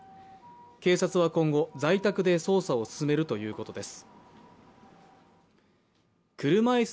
警察は今後、在宅で捜査を進めるということです。